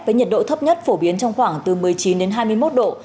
với nhiệt độ thấp nhất phổ biến trong khoảng từ một mươi chín đến hai mươi một độ